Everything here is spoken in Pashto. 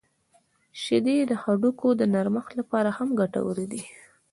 • شیدې د هډوکو د نرمښت لپاره هم ګټورې دي.